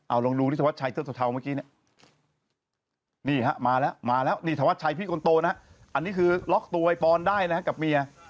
เอาลองดูนิชวัชชัยเสื้อเทาเมื่อกี้เนี่ยนี่ฮะมาแล้วมาแล้วนี่ธวัดชัยพี่คนโตนะอันนี้คือล็อกตัวไอ้ปอนได้นะกับเมีย